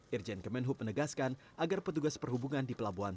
irjen kemenhub menegaskan agar petugas perhubungan di pelabuhan